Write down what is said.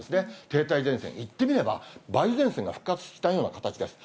停滞前線、いってみれば梅雨前線が復活したような形です。